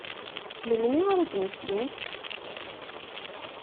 Melmi ara ad mmektint?